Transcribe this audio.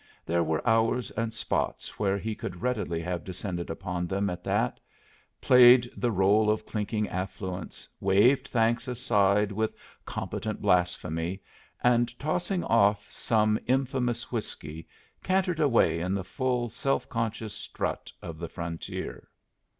There were hours and spots where he could readily have descended upon them at that, played the role of clinking affluence, waved thanks aside with competent blasphemy, and tossing off some infamous whiskey, cantered away in the full self conscious strut of the frontier.